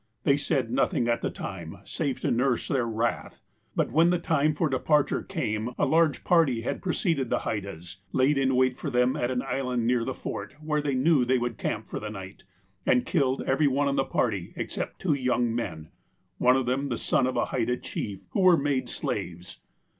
They said nothing at the time, save to nurse their wrath. But when the time for departure came a large party had pre ceded the Haidas, laid in wait for them at an island near the Fort, where they knew they would camp for the night, and killed every one in the party except two young men, one of them the son of a Haida chief, who were made slaves.